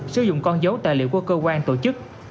sử dụng con dấu tài liệu của cơ quan tổ chức